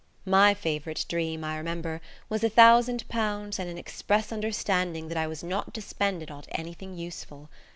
My favourite dream, I remember, was a thousand pounds and an express understanding that I was not to spend it on anything useful.